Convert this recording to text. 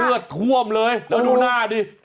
เลือดท่วมเลยแล้วดูหน้าดิ